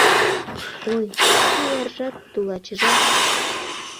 Ой, туларжат, тулачыжат